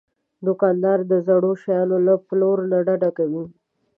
دوکاندار د زړو شیانو له پلور نه ډډه کوي.